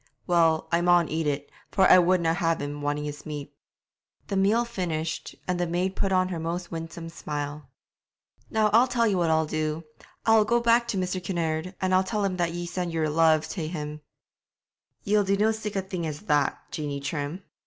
Well, I maun eat it, for I wouldna have him wanting his meat.' The meal finished, the maid put on her most winsome smile. 'Now and I'll tell ye what I'll do; I'll go back to Mr. Kinnaird, and I'll tell him ye sent yer love tae him.' 'Ye'll no do sic a thing as that, Jeanie Trim!'